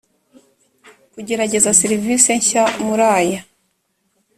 kugerageza serivisi nshya muri aya